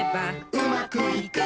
「うまくいく！」